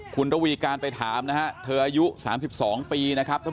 คุณเนาวีการไปถามเธออายุ๓๒ปี